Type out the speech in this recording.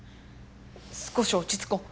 少しおちつこう。